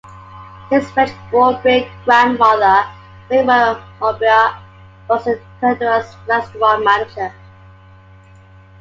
His French born great-grandfather Raymond Monbiot was the Trocadero's restaurant manager.